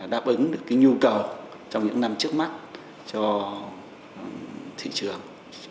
đáp ứng được nhu cầu trong những năm trước mắt cho thị trường